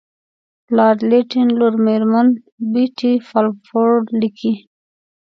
لارډ لیټن لور میرمن بیټي بالفور لیکي.